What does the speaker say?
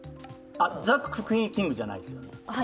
ジャック、クイーン、キングじゃないですよね。